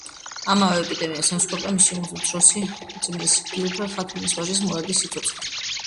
ამავე ეპიდემიას ემსხვერპლა მისი უმცროსი ძმის, გიულფემ ხათუნის ვაჟის, მურადის სიცოცხლეც.